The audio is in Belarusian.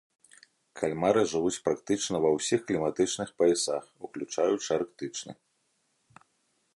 Кальмары жывуць практычна ва ўсіх кліматычных паясах, уключаючы арктычны.